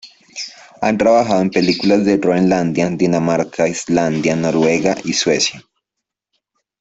Ha trabajado en películas de Groenlandia, Dinamarca, Islandia, Noruega y Suecia.